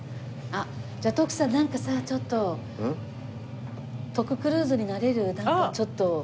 あっじゃあ徳さんなんかさちょっと徳クルーズになれるなんかちょっと。